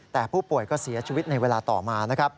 แต่ผู้ป่วยก็เสียชีวิตในเวลาต่อมานะครับ